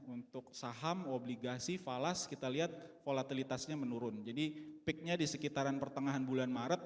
untuk saham obligasi falas kita lihat volatilitasnya menurun jadi peaknya di sekitaran pertengahan bulan maret